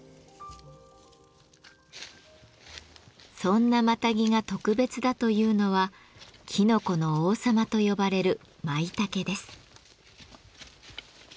そんなマタギが特別だというのは「きのこの王様」と呼ばれるマイタケです。